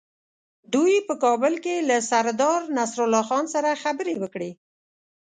دوی په کابل کې له سردار نصرالله خان سره خبرې وکړې.